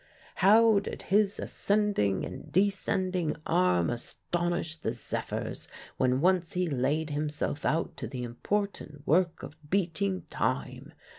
How did his ascending and descending arm astonish the zephyrs when once he laid himself out to the important work of beating time!